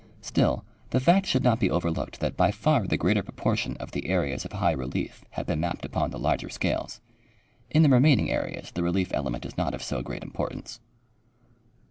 Still, the fact should not be overlooked that by far the greater proportion of the areas of high relief have been maj)ped upon the larger scales. In the remain ing areas the relief element is not of so great importance.